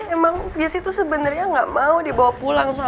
emang jessy tuh sebenernya gak mau dibawa pulang sama papa